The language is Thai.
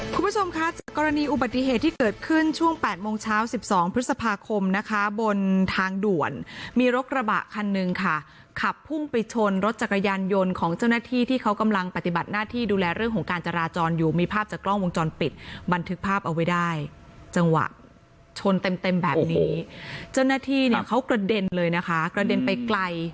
คุณผู้ชมคะจากกรณีอุบัติเหตุที่เกิดขึ้นช่วงแปดโมงเช้าสิบสองพฤษภาคมนะคะบนทางด่วนมีรถกระบะคันหนึ่งค่ะขับพุ่งไปชนรถจักรยานยนต์ของเจ้าหน้าที่ที่เขากำลังปฏิบัติหน้าที่ดูแลเรื่องของการจราจรอยู่มีภาพจากกล้องวงจรปิดบันทึกภาพเอาไว้ได้จังหวะชนเต็มเต็มแบบนี้เจ้าหน้าที่เนี่ยเขากระเด็นเลยนะคะกระเด็นไปไกล